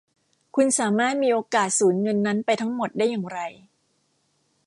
คุณสามารถมีโอกาสสูญเงินนั้นไปทั้งหมดได้อย่างไร